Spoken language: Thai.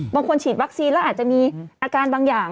บางทีฉีดวัคซีนแล้วอาจจะมีอาการบางอย่าง